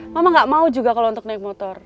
mama gak mau juga kalau untuk naik motor